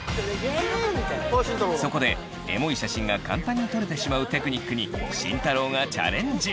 そこでエモい写真が簡単に撮れてしまうテクニックに慎太郎がチャレンジ！